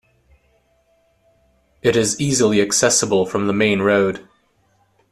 It is easily accessible from the main road.